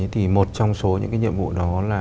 thì một trong số những nhiệm vụ đó là